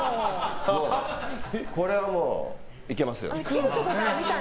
これはもういけますよ。